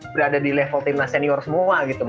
berada di level timnas senior semua gitu